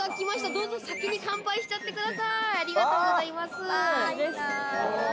どうぞ先に乾杯しちゃってください。